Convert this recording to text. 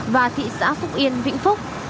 và thị xã phúc yên vịnh phúc